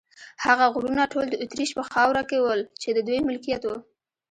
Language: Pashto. هغه غرونه ټول د اتریش په خاوره کې ول، چې د دوی ملکیت و.